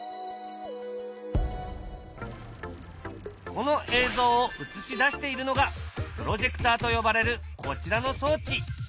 この映像を映し出しているのがプロジェクターと呼ばれるこちらの装置。